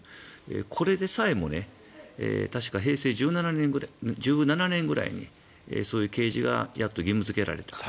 これでさえも確か平成１７年ぐらいにそういう掲示がやっと義務付けられたと。